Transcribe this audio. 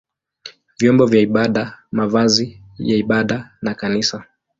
vyombo vya ibada, mavazi ya ibada na kanisa.